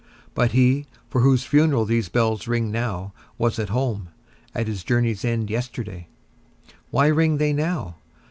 But he, for whose funeral these bells ring now, was at home, at his journey's end yesterday; why ring they now?